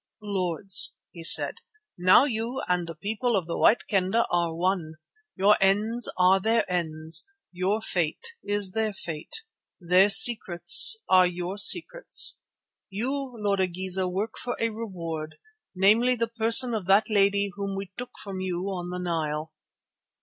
"Lords," he said, "now you and the People of the White Kendah are one; your ends are their ends, your fate is their fate, their secrets are your secrets. You, Lord Igeza, work for a reward, namely the person of that lady whom we took from you on the Nile."